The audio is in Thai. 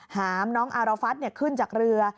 หามน้องอารฟัฐขึ้นจากเรือ